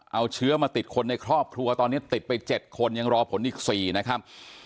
เอาเชื้อมาติดคนในครอบครัวตอนนี้ติดไป๗คนยังรอผลอีก๔นะครับ